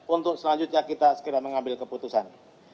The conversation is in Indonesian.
untuk selanjutnya kita segera mengambil keputusan